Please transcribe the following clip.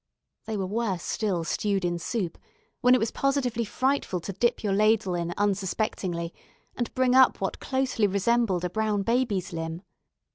They were worse still stewed in soup, when it was positively frightful to dip your ladle in unsuspectingly, and bring up what closely resembled a brown baby's limb.